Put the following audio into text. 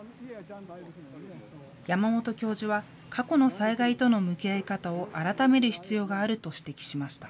山本教授は過去の災害との向き合い方を改める必要があると指摘しました。